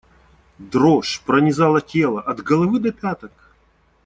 Дрожь пронизала тело от головы до пяток.